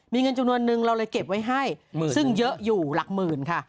มีเงินจำนวนนึงเราเลยเก็บไว้ให้ซึ่งเยอะอยู่หลักหมื่นค่ะ